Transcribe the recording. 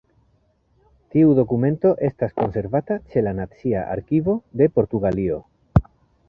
Tiu dokumento estas konservata ĉe la Nacia Arkivo de Portugalio.